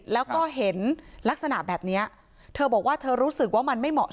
แล้วก็เห็นลักษณะแบบนี้เธอบอกว่าเธอรู้สึกว่ามันไม่เหมาะ